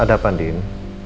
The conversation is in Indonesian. ada apa din